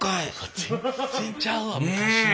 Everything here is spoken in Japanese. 全然ちゃうわ昔のと。